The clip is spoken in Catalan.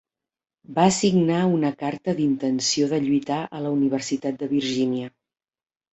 Va signar una carta d'intenció de lluitar a la Universitat de Virgínia.